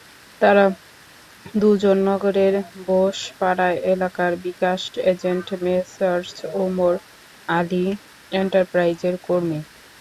তাঁরা দুজন নগরের বোসপাড়া এলাকার বিকাশ এজেন্ট মেসার্স ওমর আলী এন্টারপ্রাইজের কর্মী।